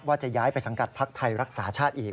ว่าจะย้ายไปสังกัดภักดิ์ไทยรักษาชาติอีก